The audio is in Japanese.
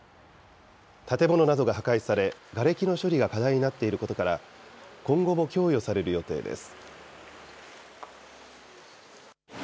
建物などが破壊され、がれきの処理が課題になっていることから、今後も供与される予定です。